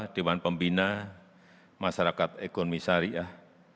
dewan pembina masyarakat ekonomi syariah